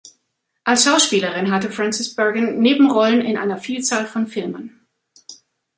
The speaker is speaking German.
Als Schauspielerin hatte Frances Bergen Nebenrollen in einer Vielzahl von Filmen.